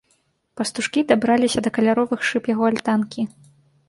Пастушкі дабраліся да каляровых шыб яго альтанкі.